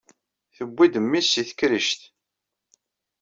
Tewwi-d memmi-s seg tekrict.